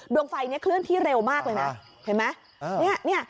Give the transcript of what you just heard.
ดวงไฟเนี้ยเคลื่อนที่เร็วมากเลยนะเห็นมะอ้าวนี่นี่